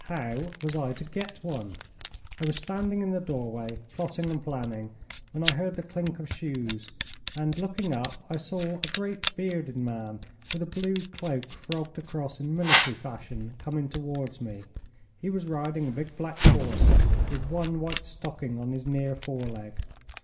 How was I to get one? I was standing in the doorway, plotting and planning, when I heard the clink of shoes, and, looking up, I saw a great bearded man, with a blue cloak frogged across in military fashion, coming towards me. He was riding a big black horse with one white stocking on his near fore leg.